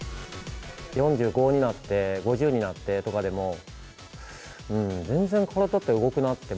４５になって、５０になってとかでも、全然体って動くなって